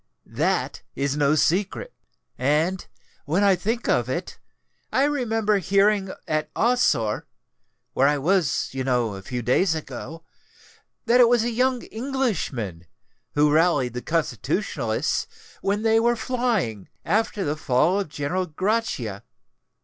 That is no secret. And, when I think of it, I remember hearing at Ossore (where I was, you know, a few days ago,) that it was a young Englishman who rallied the Constitutionalists when they were flying, after the fall of General Grachia."